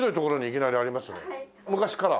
昔から？